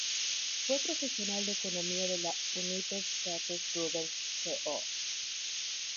Fue profesional de Economía de la "United States Rubber Co.